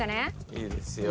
いいですよ。